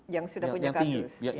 yang sudah punya kasus